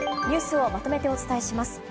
ニュースをまとめてお伝えします。